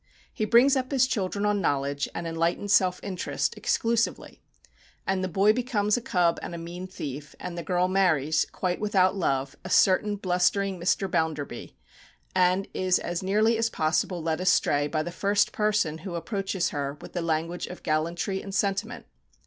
He brings up his children on knowledge, and enlightened self interest exclusively; and the boy becomes a cub and a mean thief, and the girl marries, quite without love, a certain blustering Mr. Bounderby, and is as nearly as possible led astray by the first person who approaches her with the language of gallantry and sentiment.